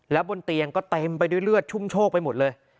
แล้วบนเตียงก็เต็มไปด้วยเลือดชุ่มโชคไปหมดเลย